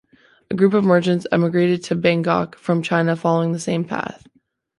A group of merchants emigrated to Bangkok from China following the same path.